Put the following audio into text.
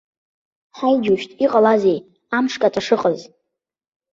Ҳаи, џьушьҭ, иҟалазеи, амш каҵәа шыҟаз?